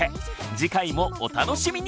次回もお楽しみに！